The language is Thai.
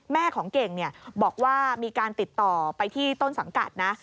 แม่ของเก่งบอกว่ามีการติดต่อไปที่ต้นสังกัดนะ